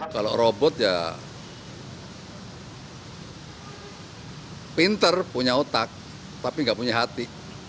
kalau robot ya pinter punya otak tapi nggak punya hati